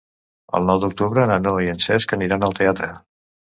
El nou d'octubre na Noa i en Cesc aniran al teatre.